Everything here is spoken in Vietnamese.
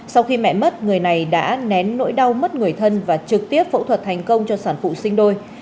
sau khi mẹ mất người này đã nén nỗi đau mất người thân và trực tiếp phẫu thuật thành công cho sản phụ sinh đôi